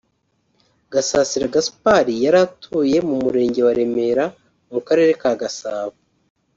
Gasasira Gaspard yari atuye mu Murenge wa Remera mu Karere ka Gasabo